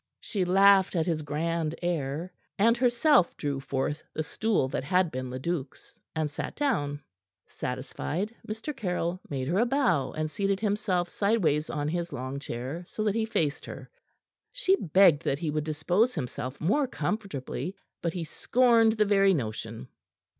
She laughed at his grand air, and, herself, drew forward the stool that had been Leduc's, and sat down. Satisfied, Mr. Caryll made her a bow, and seated himself sideways on his long chair, so that he faced her. She begged that he would dispose himself more comfortably; but he scorned the very notion.